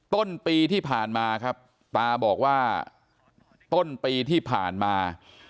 ต้นปีที่ผ่านมาครับตาบอกว่าต้นปีที่ผ่านมา